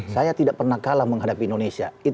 saya tidak pernah kalah menghadapi indonesia